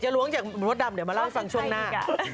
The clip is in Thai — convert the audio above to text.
จะล้วงจากมรถดำเดี๋ยวมาเล่าสังชั่วหน้า